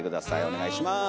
お願いします。